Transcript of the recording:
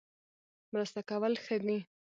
مرسته کول ښه دي